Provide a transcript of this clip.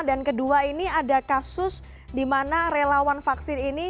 dan kedua ini ada kasus dimana relawan vaksin ini